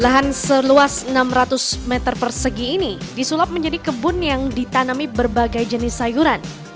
lahan seluas enam ratus meter persegi ini disulap menjadi kebun yang ditanami berbagai jenis sayuran